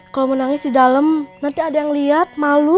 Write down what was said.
kalau menangis di dalam nanti ada yang lihat malu